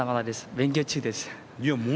勉強中です。